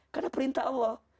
karena perintah allah